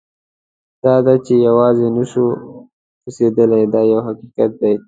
دا ده چې یوازې نه شو اوسېدلی دا یو حقیقت دی.